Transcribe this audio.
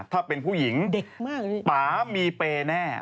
ถ้าเป็นผู้หญิงป่ามีเปรย์แน่